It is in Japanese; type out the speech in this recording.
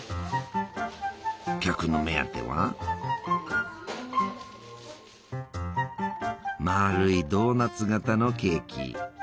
客の目当てはまるいドーナツ形のケーキ。